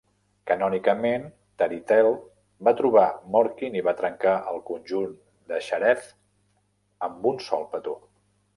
Canònicament, Tarithel va trobar Morkin i va trencar el conjur de Shareth amb un sol petó.